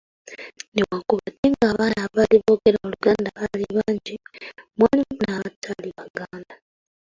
"Newankubadde nga abaana abaali boogera Oluganda baali bangi, mwalimu n’abataali Baganda."